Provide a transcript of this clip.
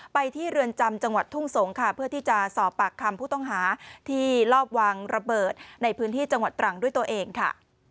ไปที่เรือนจำจังหวัดทุ่งสงค่ะเพื่อที่จะสอบปากคำผู้ต้องหาที่ลอบวางระเบิดในพื้นที่จังหวัดตรังด้วยตัวเองค่ะ